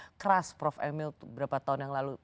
yang keras prof emil berapa tahun yang lalu